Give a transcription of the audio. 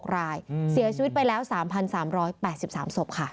๖รายเสียชีวิตไปแล้ว๓๓๘๓ศพค่ะ